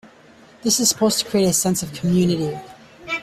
This is supposed to create a sense of community.